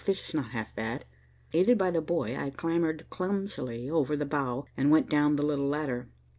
"This is not half bad." Aided by the boy, I clambered clumsily over the bow and went down the little ladder.